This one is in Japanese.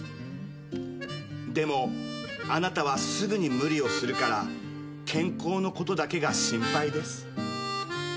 「でもあなたはすぐに無理をするから健康のことだけが心配です」